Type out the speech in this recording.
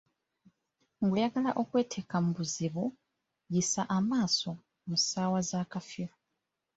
Ng'oyagala okweteeka mu buzibu, yisa amaaso mu ssaawa za kafyu.